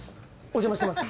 お邪魔してます